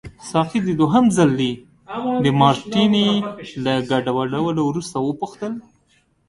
ساقي د دوهم ځلي د مارټیني له ګډولو وروسته وپوښتل.